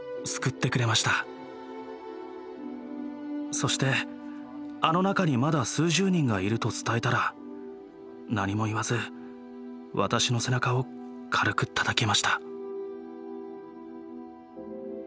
そしてあの中にまだ数十人がいると伝えたら何も言わず私の背中を軽くたたきました。